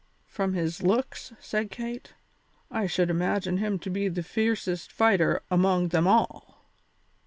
"From his looks," said Kate, "I should imagine him to be the fiercest fighter among them all."